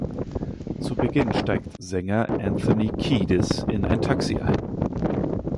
Zu Beginn steigt Sänger Anthony Kiedis in ein Taxi ein.